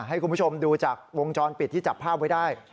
ให้คุณผู้ชมดูจากวงจรปิดที่จับภาพไว้ได้